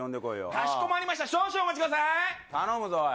かしこまりました、少々お待頼むぞ、おい。